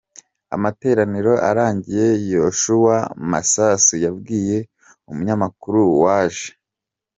Amateraniro arangiye Yoshua Masasu yabwiye umunyamakuru wa J.